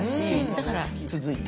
だから続いた。